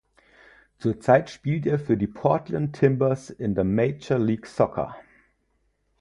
Zurzeit spielt er für die Portland Timbers in der Major League Soccer.